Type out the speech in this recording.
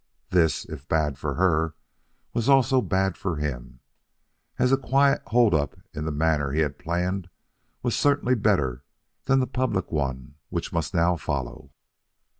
This, if bad for her, was also bad for him, as a quiet hold up in the manner he had planned was certainly better than the public one which must now follow.